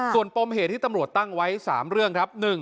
ส่วนปมเหตุที่ตำรวจตั้งไว้๓เรื่องครับ